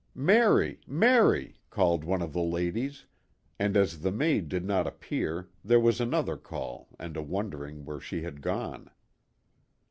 " Mary, Mary," called one of the ladies, and as the maid did not appear, there was another call and a wondering where she had gone.